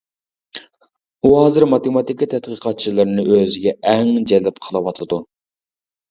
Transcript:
ئۇ ھازىر ماتېماتىكا تەتقىقاتچىلىرىنى ئۆزىگە ئەڭ جەلپ قىلىۋاتىدۇ.